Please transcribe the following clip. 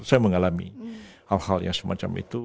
saya mengalami hal hal yang semacam itu